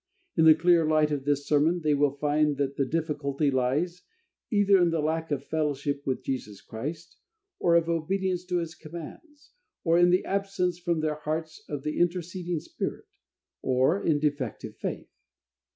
In the clear light of this sermon they will find that the difficulty lies, either in the lack of fellowship with Jesus Christ, or of obedience to His commands, or in the absence from their hearts of the interceding Spirit, or in defective faith.